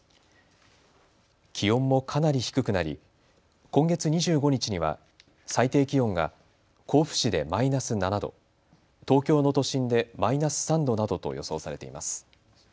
気温もかなり低くなり今月２５日には最低気温が甲府市でマイナス７度、東京の都心でマイナス３度などと予想されています。